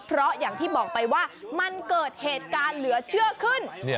เพราะอย่างที่บอกไปว่ามันเกิดเหตุการณ์เหลือเชื่อขึ้น